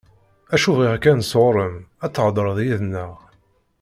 Acu bɣiɣ kan sɣur-m, ad thedreḍ yid-neɣ.